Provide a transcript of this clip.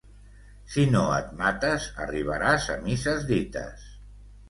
Si no et mates, arribaràs a misses dites.